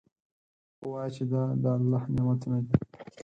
ووایه چې دا د الله نعمتونه دي.